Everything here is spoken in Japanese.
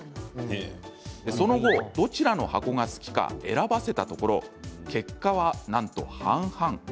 その後、どちらの箱が好きか選ばせたところ結果はなんと半々。